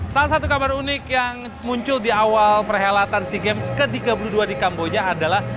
salah satu kabar unik yang muncul di awal perhelatan sea games ke tiga puluh dua di kamboja adalah